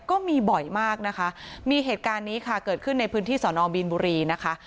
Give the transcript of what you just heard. ก็มีบ่อยมากนะคะมีเหตุการณ์นี้ค่ะเกิดขึ้นในพื้นที่สอนอมีนบุรีนะคะ